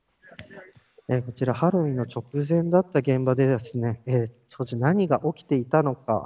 こちら、ハロウィーンの直前だった現場で当時、何が起きていたのか。